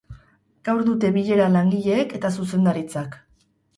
Gaur dute bilera langileek eta zuzendaritzak.